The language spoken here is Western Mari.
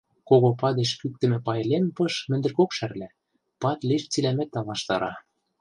Кого падеш кӱктӹмӹ пай лем пыш мӹндыркок шӓрлӓ, пад лиш цилӓмӓт талаштара.